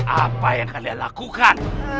apa yang kalian lakukan